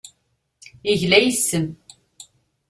Yegla yes-m.